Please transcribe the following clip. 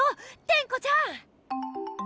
テンコちゃん！